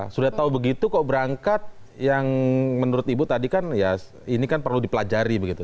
sudah tahu begitu kok berangkat yang menurut ibu tadi kan ya ini kan perlu dipelajari begitu